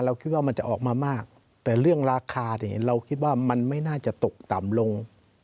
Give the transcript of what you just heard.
คิดว่ามันจะออกมามากแต่เรื่องราคาเนี่ยเราคิดว่ามันไม่น่าจะตกต่ำลง